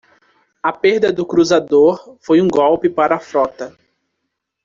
A perda do cruzador foi um golpe para a frota.